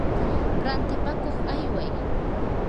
rantipakuq ayway.